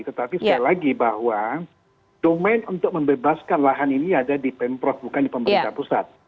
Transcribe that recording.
tetapi sekali lagi bahwa domain untuk membebaskan lahan ini ada di pemprov bukan di pemerintah pusat